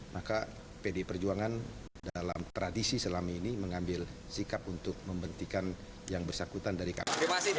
maka pdi perjuangan dalam tradisi selama ini mengambil sikap untuk membentikan yang bersangkutan dari kami